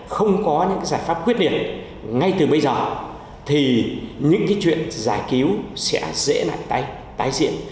không có những giải pháp quyết định ngay từ bây giờ thì những cái chuyện giải cứu sẽ dễ lại tái diện